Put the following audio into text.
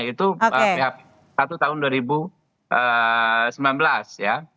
itu pihak satu tahun dua ribu sembilan belas ya